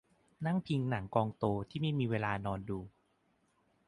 นั่งพิงหนังกองโตที่ไม่มีเวลานอนดู